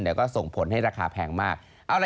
แต่ก็ส่งผลให้ราคาแพงมาก